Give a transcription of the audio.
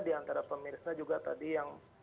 di antara pemirsa juga tadi yang